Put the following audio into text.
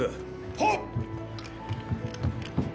はっ！